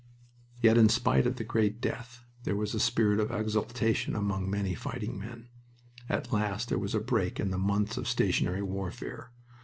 Yet, in spite of rain and great death, there was a spirit of exultation among many fighting men. At last there was a break in the months of stationary warfare.